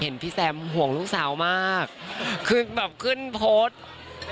เห็นพี่แซมห่วงลูกสาวมากคือแบบขึ้นโพสต์